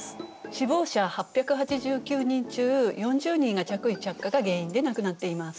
死亡者８８９人中４０人が着衣着火が原因で亡くなっています。